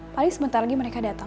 paling sebentar lagi mereka datang